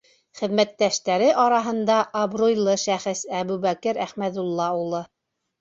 Хеҙмәттәштәре араһында абруйлы шәхес Әбүбәкер Әхмәҙулла улы.